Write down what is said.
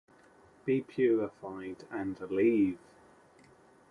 Be purified and leave!